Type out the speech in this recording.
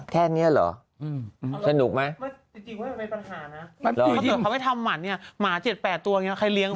แค่เนี่ยเหรอสนุกไหมจริงมันมีปัญหานะเขาไม่ทำหมาเนี่ยหมา๗๘ตัวไงใครเลี้ยงไว้